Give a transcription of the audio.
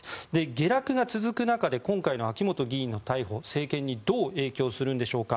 下落が続く中で今回の秋本議員の逮捕は政権にどう影響するんでしょうか。